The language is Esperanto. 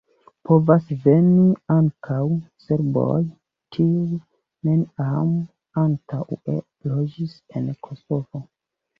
Povas veni ankaŭ serboj, kiuj neniam antaŭe loĝis en Kosovo.